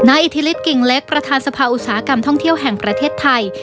อิทธิฤทธิกิ่งเล็กประธานสภาอุตสาหกรรมท่องเที่ยวแห่งประเทศไทย